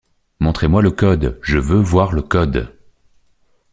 Montrez-moi le Code, je veux voir le Code!